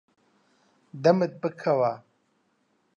دەمت بکەوە.